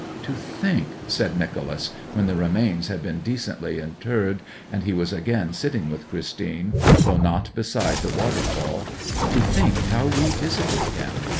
'To think,' said Nicholas, when the remains had been decently interred, and he was again sitting with Christine though not beside the waterfall 'to think how we visited him!